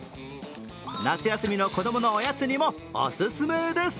夏休みの子供のおやつにもオススメです。